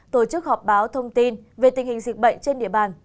tổ chức họp báo thông tin về tình hình dịch bệnh trên địa bàn